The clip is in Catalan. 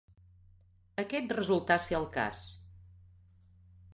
Aquest resultà ser el cas.